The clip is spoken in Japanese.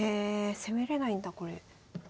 攻めれないんだこれ。